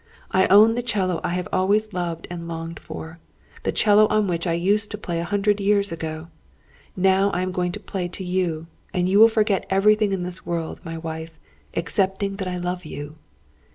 I own the 'cello I have always loved and longed for; the 'cello on which I used to play a hundred years ago. Now I am going to play to you; and you will forget everything in this world, my wife, excepting that I love you."